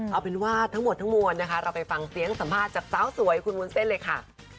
เอาเป็นว่าทั้งหมดทั้งมวลนะคะเราไปฟังเสียงสัมภาษณ์จากสาวสวยคุณวุ้นเส้นเลยค่ะ